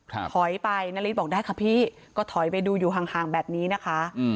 ถอยไปนาริสบอกได้ค่ะพี่ก็ถอยไปดูอยู่ห่างห่างแบบนี้นะคะอืม